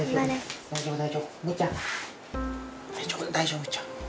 大丈夫大丈夫むぅちゃん。